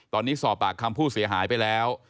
ตอนนี้สอบปากคำผู้เสียหายไปแล้ว